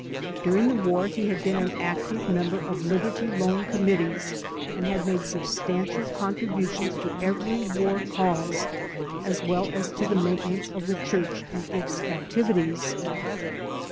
During the war he had been an active member of Liberty Loan Committees and had made substantial contributions to every war cause as well as to the maintenance of the Church and its activities.